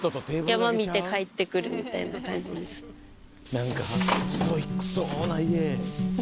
何かストイックそうな家。